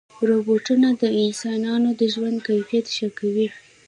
روبوټونه د انسانانو د ژوند کیفیت ښه کوي.